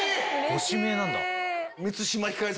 ⁉ご指名なんだ。